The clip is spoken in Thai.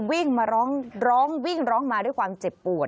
วิ่งมาร้องร้องวิ่งร้องมาด้วยความเจ็บปวด